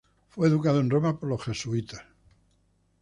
Fue educado en Roma por los jesuitas.